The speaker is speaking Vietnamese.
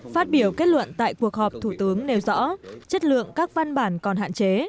phát biểu kết luận tại cuộc họp thủ tướng nêu rõ chất lượng các văn bản còn hạn chế